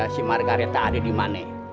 si margaretha ada dimana